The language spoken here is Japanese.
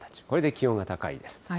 これで気温が高いです。